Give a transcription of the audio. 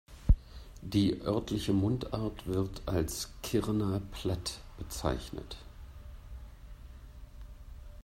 Die örtliche Mundart wird als „Kirner Platt“ bezeichnet.